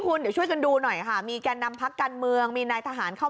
คุณเดี๋ยวช่วยกันดูหน่อยค่ะมีแก่นำพักการเมืองมีนายทหารเข้า